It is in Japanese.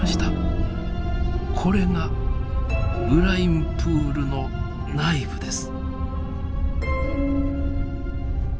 これがブラインプールの内部です。